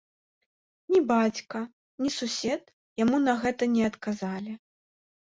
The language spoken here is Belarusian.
Ні бацька, ні сусед яму на гэта не адказалі.